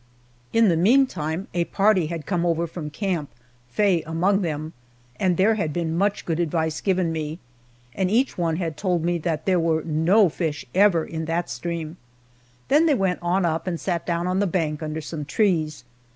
In the meantime a party had come over from camp, Faye among them, and there had been much good advice given me and each one had told me that there were no fish ever in that stream; then they went on up and sat down on the bank under some trees.